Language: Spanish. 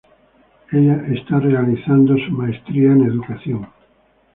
Ella está llevando a cabo para su maestría en educación.